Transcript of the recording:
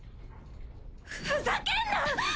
ふざけんな！